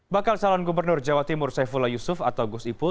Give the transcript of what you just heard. bakal calon gubernur jawa timur saifullah yusuf atau gus ipul